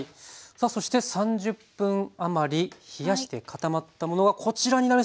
さあそして３０分余り冷やして固まったものがこちらになります！